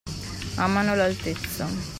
Amano l’altezza.